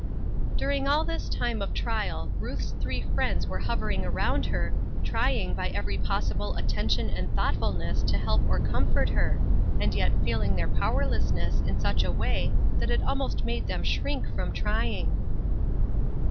During all this time of trial Ruth's three friends were hovering around her, trying by every possible attention and thoughtfulness to help or comfort her, and yet feeling their powerlessness in such a way that it almost made them shrink from trying.